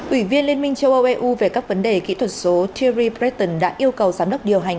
ủy viên liên minh châu âu eu về các vấn đề kỹ thuật số thierry breton đã yêu cầu giám đốc điều hành